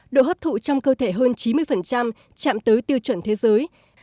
độ hấp thụ trong cơ thể hơn chín mươi chạm tới tiêu chuẩn thế giới